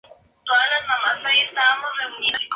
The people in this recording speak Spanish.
Profesor de Filosofía Moral en Trinity y vicario del St.